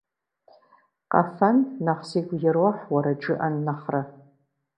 Къэфэн нэхъ сигу ирохь уэрэд жыӏэн нэхърэ.